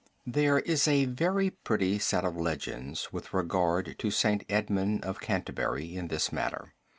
There is a very pretty set of legends with regard to St. Edmund of Canterbury in this matter.